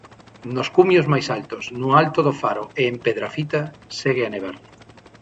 Nos cumios máis altos, no alto do Faro e en Pedrafita segue a nevar.